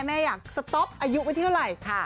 แม่อยากสต๊อปอายุไว้ที่เท่าไหร่